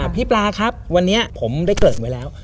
พี่ปลาครับวันนี้ผมได้เกิดไว้แล้ว